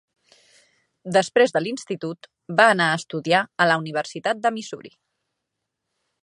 Després de l'institut, va anar a estudiar a la Universitat de Missouri.